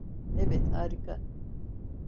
Evet, harika.